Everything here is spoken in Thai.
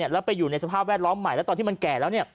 แล้วไปอยู่ในสภาพแวดล้อมใหม่แล้วตอนที่มันแก่แล้วเนี่ย